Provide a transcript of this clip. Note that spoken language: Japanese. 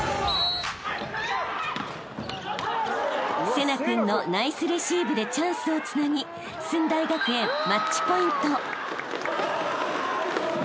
［聖成君のナイスレシーブでチャンスをつなぎ駿台学園マッチポイント］